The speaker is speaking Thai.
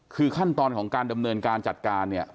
คือขั้นตอนของการดำเนินการจัดการเนี่ย